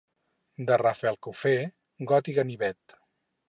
De Rafelcofer, got i ganivet.